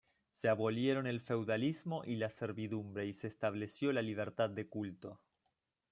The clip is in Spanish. Se abolieron el feudalismo y la servidumbre y se estableció la libertad de culto.